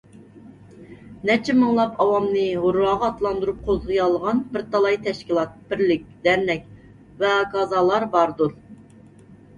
نەچچە مىڭلاپ ئاۋامنى ھۇرراغا ئاتلاندۇرۇپ قوزغىيالىغان بىر تالاي تەشكىلات، بىرلىك، دەرنەك ۋەھاكازالار باردۇر.